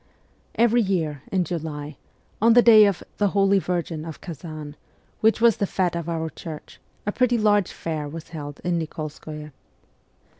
Every year, in July, on the day of ' the Holy Virgin of Kazan ' which was the fete of our church, a pretty large fair was held in Nik61skoye.